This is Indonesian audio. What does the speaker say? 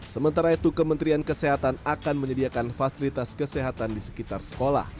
sementara itu kementerian kesehatan akan menyediakan fasilitas kesehatan di sekitar sekolah